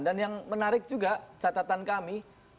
dan yang menarik juga catatan kami